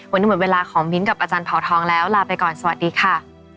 วันนี้หมดเวลาของมิ้นท์กับอาจารย์เผาทองแล้วลาไปก่อนสวัสดีค่ะ